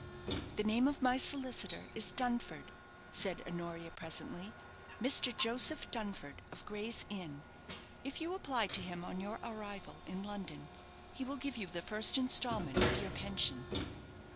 "The name of my solicitor is Dunford," said Honoria, presently; "Mr. Joseph Dunford, of Gray's Inn. If you apply to him on your arrival in London, he will give you the first installment of your pension."